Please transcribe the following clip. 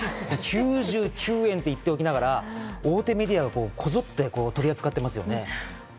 ９９円って言っておきながら、大手メディアがこぞって取り扱っていますよね。